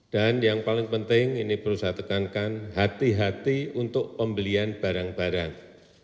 dan yang paling penting ini perlu saya tekankan hati hati untuk pembelian barang barang